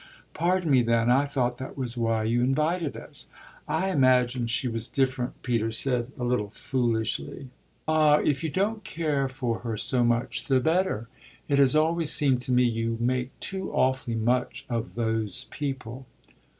"Pardon me then. I thought that was why you invited us." "I imagined she was different," Peter said a little foolishly. "Ah if you don't care for her so much the better. It has always seemed to me you make too awfully much of those people."